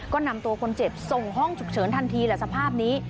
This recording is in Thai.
ก็นำตัวคนเจ็บส่งห้องฉุกเฉินทันทีแหละสภาพนี้